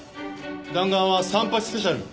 弾丸は．３８スペシャル。